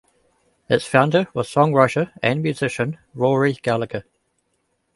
Its founder was songwriter and musician Rory Gallagher.